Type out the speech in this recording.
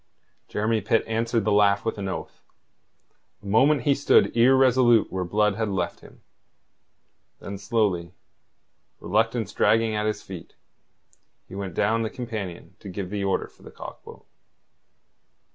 Jeremy Pitt answered the laugh with an oath. A moment he stood irresolute where Blood had left him. Then slowly, reluctance dragging at his feet, he went down the companion to give the order for the cock boat.